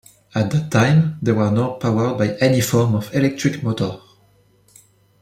At that time, they were not powered by any form of electric motor.